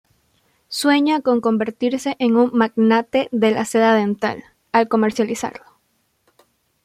Sueña con convertirse en un "magnate de la seda dental" al comercializarlo.